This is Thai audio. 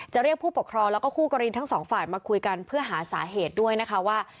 เรียกผู้ปกครองแล้วก็คู่กรณีทั้งสองฝ่ายมาคุยกันเพื่อหาสาเหตุด้วยนะคะว่า